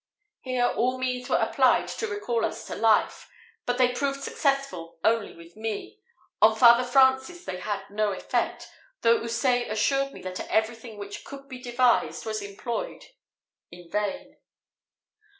Here all means were applied to recall us to life, but they proved successful only with me; on Father Francis they had no effect, though Houssaye assured me that everything which could be devised was employed in vain.